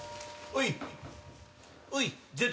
おい。